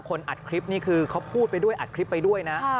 อัดคลิปนี่คือเขาพูดไปด้วยอัดคลิปไปด้วยนะ